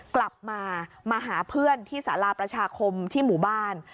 กลับมามาหาเพื่อนที่สาราประชาคมที่หมู่บ้าน